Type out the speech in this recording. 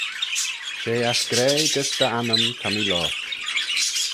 She ass graih gys dty annym ta mee loayrt.